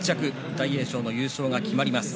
大栄翔の優勝が決まります。